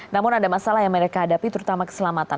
namun ada masalah yang mereka hadapi terutama keselamatan